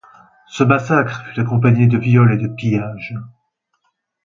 Ce massacre fut accompagné de viols et de pillages.